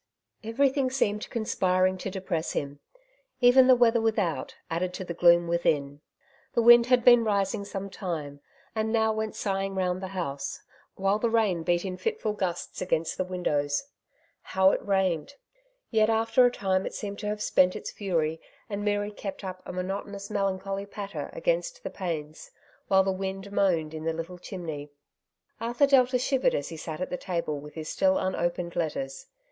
Everything seemed conspiring to depress him — even the weather without, added to the gloom within. The wind had been rising some time, and now went sighing round the house, while the rain beat in fitful gusts against the windows. How it A Dark Side of the Question. 147 rained ! Yet after a time it seemed to have spent its fury, and merely kept up a monotonous melan choly patter against the panes, while the wind moaned in the little chimney. Arthur Delta shivered as he sat at the table with his still unopened letters.